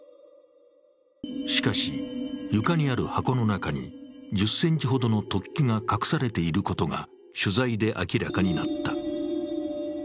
しかし、床にある箱の中に１０ｃｍほどの突起が隠されていることが取材で明らかになった。